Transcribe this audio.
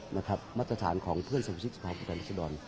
มาตรฐานของเพื่อนสมาชิกสภาพผู้แทนรัศดร